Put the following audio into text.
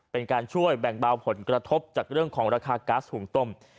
เป็นการช่วยแบ่งเบาผลกระทบจากเรื่องของราคาก๊าซหุงต้ม